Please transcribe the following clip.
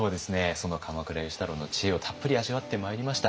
その鎌倉芳太郎の知恵をたっぷり味わってまいりました。